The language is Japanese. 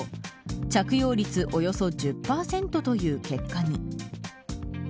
着用率およそ１０％という結果に。